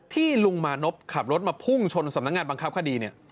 ลุงมานพขับรถมาพุ่งชนสำนักงานบังคับคดีเนี่ย